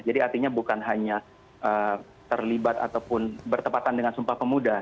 jadi artinya bukan hanya terlibat ataupun bertepatan dengan sumpah pemuda